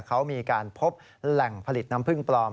เขามีการพบแหล่งผลิตน้ำพึ่งปลอม